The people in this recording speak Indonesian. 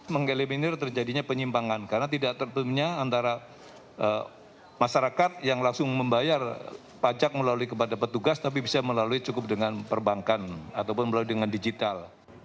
mengeliminir terjadinya penyimpangan karena tidak tertentunya antara masyarakat yang langsung membayar pajak melalui kepada petugas tapi bisa melalui cukup dengan perbankan ataupun melalui dengan digital